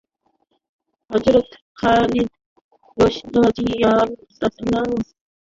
হযরত Khalid রাযিয়াল্লাহু আনহু প্রথমবার যে মূর্তিটি ধ্বংস করেছিলেন এটি ছিল হুবহু তার মত।